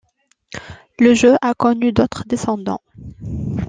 Le jeu a connu d'autres descendants.